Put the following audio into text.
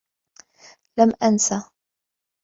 لم أنس.